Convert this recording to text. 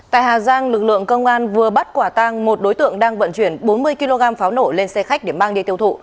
tại hà giang lực lượng công an vừa bắt quả tang một đối tượng đang vận chuyển bốn mươi kg pháo nổ lên xe khách để mang đi tiêu thụ